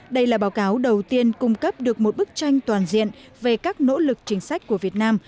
đây là báo cáo đầu tiên cung cấp được một bức tranh toàn diện về các nỗ lực chính sách của việt nam